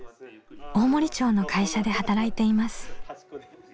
大森町の会社で働いています。